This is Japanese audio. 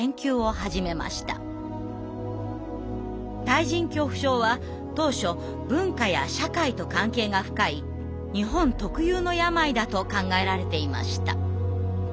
対人恐怖症は当初文化や社会と関係が深い日本特有の病だと考えられていました。